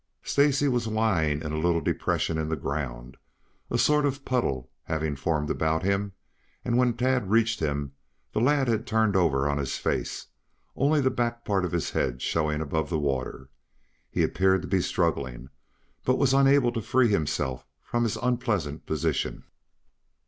Stacy was lying in a little depression in the ground, a sort of puddle having formed about him, and when Tad reached him the lad had turned over on his face, only the back part of his head showing above the water. He appeared to be struggling, but unable to free himself from his unpleasant position.